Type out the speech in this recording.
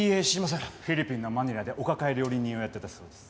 フィリピンのマニラでお抱え料理人をやってたそうです。